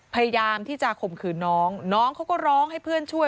พยายามที่จะข่มขืนน้องน้องเขาก็ร้องให้เพื่อนช่วย